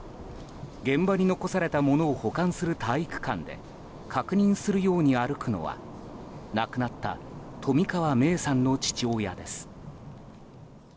現場に残された物を保管する体育館で確認するように歩くのは亡くなった冨川芽生さんの父親です。